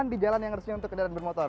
di jalan yang resmi untuk kendaraan bermotor